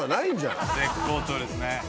絶好調ですね。